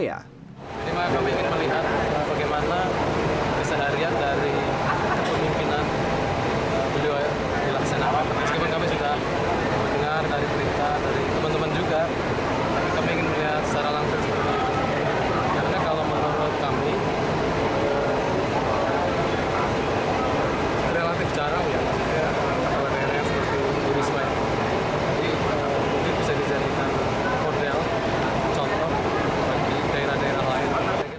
jadi bisa dijadikan model contoh bagi daerah daerah lain